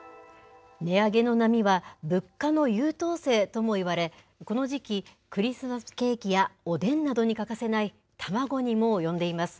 値上げの波は、物価の優等生ともいわれ、この時期、クリスマスケーキやおでんなどに欠かせない卵にも及んでいます。